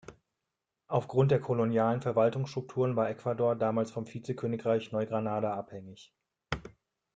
Aufgrund der kolonialen Verwaltungsstrukturen war Ecuador damals vom Vizekönigreich Neu-Granada abhängig.